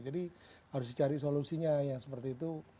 harus dicari solusinya yang seperti itu